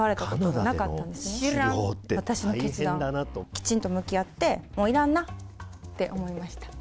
きちんと向き合って、もういらんなと思いました。